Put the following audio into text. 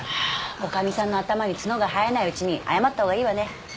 女将さんの頭に角が生えないうちに謝ったほうがいいわね